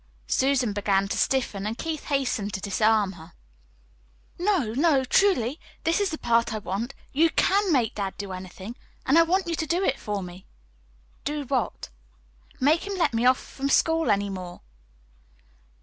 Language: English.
Susan began to stiffen, and Keith hastened to disarm her. "No, no, truly! This is the part I want. You CAN make dad do anything; and I want you to do it for me." "Do what?" "Make him let me off from school any more."